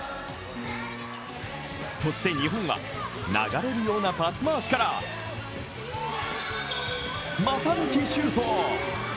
そして、日本は流れるようなパス回しから股抜きシュート。